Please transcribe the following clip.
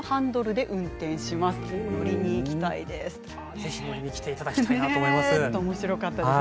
ぜひ乗りに来ていただきたいと思います。